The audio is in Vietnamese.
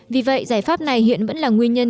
vì vậy giải pháp này hiện vẫn là nguyên nhân